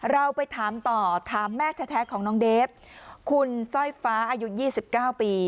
เราไปถามต่อถามแม่แท้ของน้องเดฟคุณสร้อยฟ้าอายุ๒๙ปี